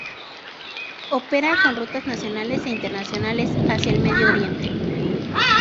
Opera con rutas nacionales e internacionales hacia el Medio Oriente.